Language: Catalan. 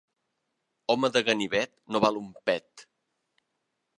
Home de ganivet, no val un pet.